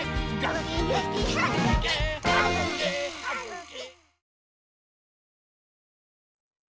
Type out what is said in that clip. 「ぐきぐきはぐきはぐきはぐき」